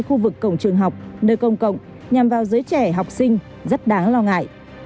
khu vực cổng trường học nơi công cộng nhằm vào giới trẻ học sinh rất đáng lo ngại